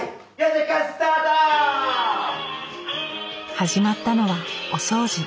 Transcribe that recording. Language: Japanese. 始まったのはお掃除。